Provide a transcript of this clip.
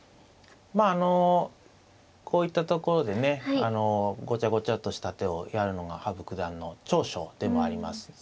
まああのこういったところでねごちゃごちゃっとした手をやるのが羽生九段の長所でもあります。